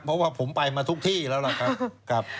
เพราะว่าผมไปมาทุกที่แล้วล่ะครับ